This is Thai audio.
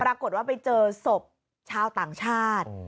ปรากฏว่าไปเจอศพชาวต่างชาติ